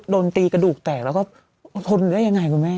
โดนตีกระดูกแตกแล้วก็ทนได้ยังไงคุณแม่